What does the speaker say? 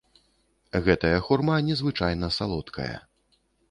Гэтая хурма незвычайна салодкая.